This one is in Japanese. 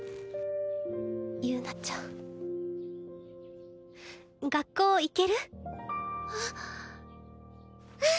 友奈ちゃん。学校行ける？えっ？